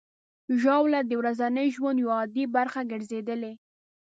ژاوله د ورځني ژوند یوه عادي برخه ګرځېدلې.